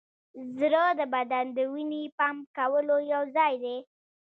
زړه د بدن د وینې پمپ کولو یوځای دی.